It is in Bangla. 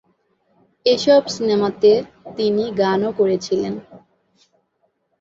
এসব সিনেমাতে তিনি গানও করেছিলেন।